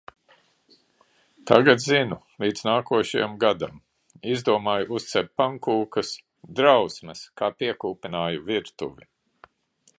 Tagad zinu, līdz nākošajam gadam. Izdomāju uzcept pankūkas. Drausmas, kā piekūpināju virtuvi.